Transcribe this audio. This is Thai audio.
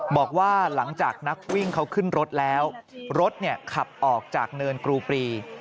บอกว่าหลังจากนักวิ่งเขาขึ้นรถแล้วรถขับออกจากเนินกรูปรี